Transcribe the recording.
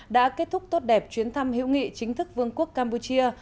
đã kết thúc tốt đẹp chuyến thăm hữu nghị chính thức vương quốc campuchia